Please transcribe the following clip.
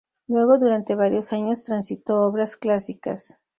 Luego durante varios años transitó obras clásicas.